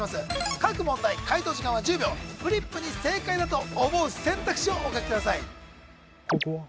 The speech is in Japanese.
各問題解答時間は１０秒フリップに正解だと思う選択肢をお書きください